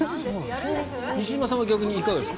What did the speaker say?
西島さんは逆にいかがですか？